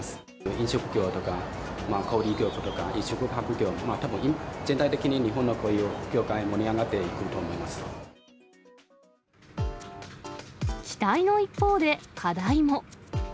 飲食業とか、小売り業とか宿泊業、たぶん全体的に日本のこういう業界、期待の一方で、課題も。